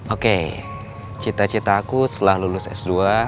oke cita cita aku setelah lulus s dua